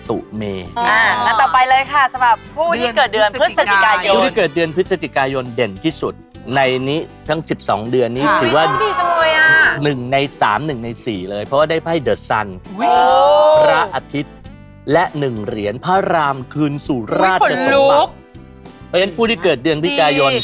อื้อหือเขาบอกว่าจะเจอรักกับคนที่อ่อนไวกว่า